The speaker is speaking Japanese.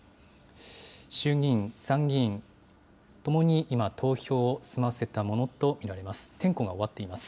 衆議院、参議院ともに今、投票を済ませたものと見られます。